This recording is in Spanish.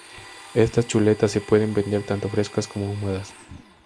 Estas chuletas se pueden vender tanto frescas como ahumadas.